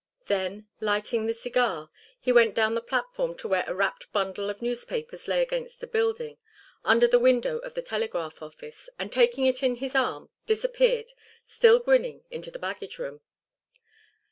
Then, lighting the cigar, he went down the platform to where a wrapped bundle of newspapers lay against the building, under the window of the telegraph office, and taking it in his arm disappeared, still grinning, into the baggage room.